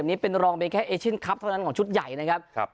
นี่เป็นรองเป็นแค่เอเชียนคลับเท่านั้นของชุดใหญ่นะครับ